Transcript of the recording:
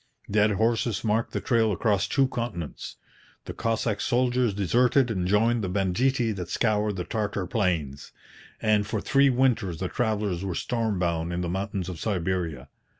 Dead horses marked the trail across two continents. The Cossack soldiers deserted and joined the banditti that scoured the Tartar plains; and for three winters the travellers were storm bound in the mountains of Siberia.